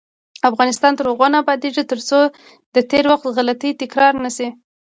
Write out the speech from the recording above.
افغانستان تر هغو نه ابادیږي، ترڅو د تیر وخت غلطۍ تکرار نشي.